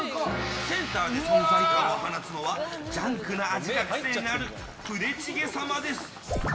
センターで存在感を放つのはジャンクな味が癖になるプデチゲ様です。